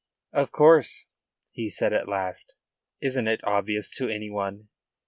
"Of course," he said at last. "Isn't it obvious to any one?"